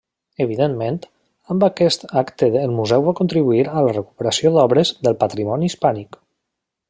Evidentment, amb aquest acte el museu va contribuir a la recuperació d'obres del patrimoni hispànic.